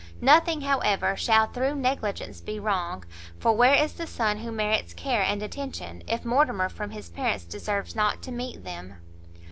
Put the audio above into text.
nothing, however, shall through negligence be wrong; for where is the son who merits care and attention, if Mortimer from his parents deserves not to meet them?"